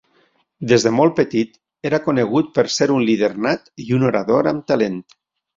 Des de molt petit, era conegut per ser un líder nat i un orador amb talent.